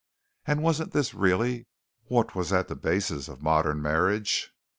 And wasn't this really what was at the basis of modern marriage?